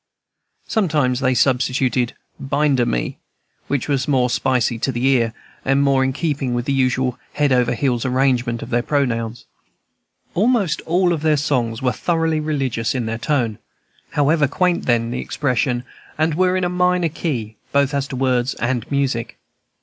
Sometimes they substituted "binder we," which was more spicy to the ear, and more in keeping with the usual head over heels arrangement of their pronouns. Almost all their songs were thoroughly religious in their tone, however quaint then: expression, and were in a minor key, both as to words and music.